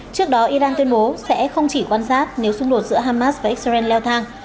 trước đó iran tuyên bố sẽ không chỉ quan sát nếu xung đột giữa hamas và israel leo thang